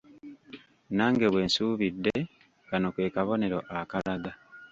Nange bwe nsuubidde; kano ke kabonero akalaga.